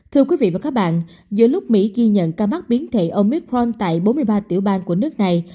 thưa quý vị và các bạn giữa lúc mỹ ghi nhận ca mắc biến thể omithfron tại bốn mươi ba tiểu bang của nước này